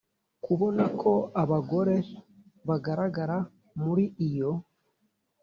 Kubona ko abagore bagaragara muri iyo